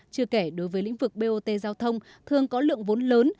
chưa kể đối với lĩnh vực bot giao thông thường có lượng vốn lớn